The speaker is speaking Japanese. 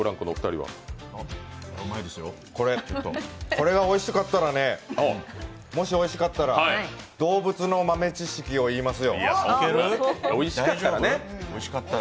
これがおいしかったらもしおいしかったら動物の豆知識いいます。